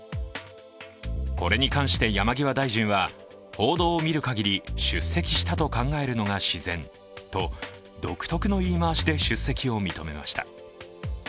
これに関して山際大臣は、報道を見る限り、出席したと考えるのが自然と独特の言い回しで出席を認めました。